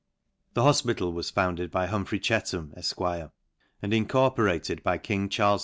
The hofpital was founded by Humphrey Chciham, Efq; and incorporated by king Charles II.